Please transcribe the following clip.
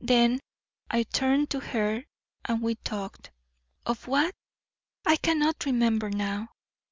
Then I turned to her and we talked. Of what? I cannot remember now.